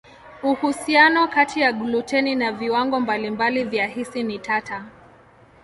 Uhusiano kati ya gluteni na viwango mbalimbali vya hisi ni tata.